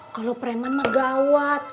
kalau preman mah gawat